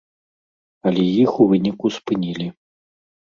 Але іх у выніку спынілі.